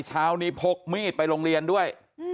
เช้านี้พกมีดไปโรงเรียนด้วย